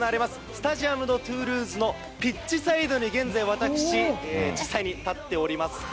スタジアムのトゥールーズのピッチサイドに現在、私実際に立っております。